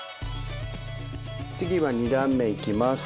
次は２段目いきます。